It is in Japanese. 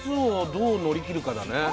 どう乗り切るかだね。は？